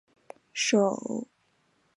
首府阿马拉。